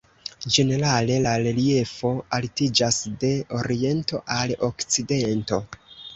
Ĝenerale la reliefo altiĝas de oriento al okcidento.